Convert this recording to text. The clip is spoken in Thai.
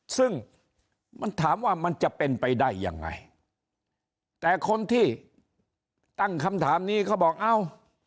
ซึ่งมันถามว่ามันจะเป็นไปได้ยังไงแต่คนที่ตั้งคำถามนี้เขาบอกเอ้า